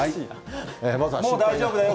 もう大丈夫だよ。